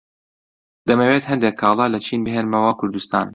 دەمەوێت هەندێک کاڵا لە چین بهێنمەوە کوردستان.